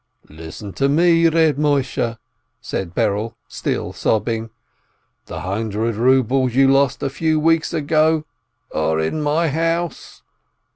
"Listen to me, Reb Moisheh !" said Berel, still sobbing. "The hundred rubles you lost a few weeks ago are in my house!